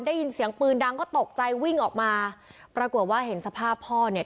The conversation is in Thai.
ได้ยินเสียงปืนดังก็ตกใจวิ่งออกมาปรากฏว่าเห็นสภาพพ่อเนี่ย